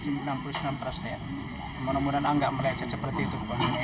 menurut saya tidak akan melihatnya seperti itu